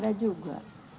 tidak ada juga